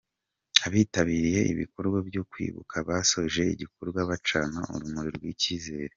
Abitabiriye ibikorwa byo kwibuka basoje igikorwa bacana urumuri rw’icyizere.